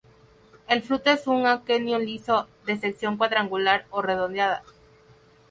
El fruto es un aquenio liso, de sección cuadrangular o redondeada.